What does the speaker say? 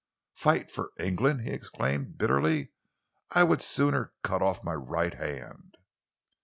"Fight for England?" he exclaimed bitterly. "I would sooner cut off my right hand!"